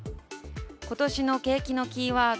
今年の景気のキーワード